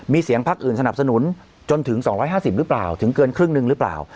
มีเสียงพักอื่นสนับสนุนจนถึง๒๕๐หรือเปล่าถึงเกินครึ่งหนึ่งหรือเปล่า